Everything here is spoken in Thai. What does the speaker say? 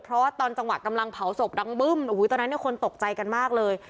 เพราะว่าตอนจังหวะกำลังเผาศพดังบึ้มโอ้โหตอนนั้นเนี่ยคนตกใจกันมากเลย